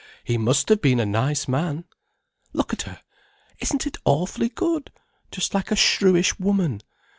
He must have been a nice man! Look at her—isn't it awfully good—just like a shrewish woman.